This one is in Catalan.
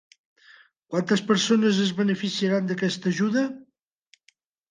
Quantes persones es beneficiaran d'aquesta ajuda?